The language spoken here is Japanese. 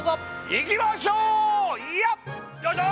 いきましょうよっよいしょ！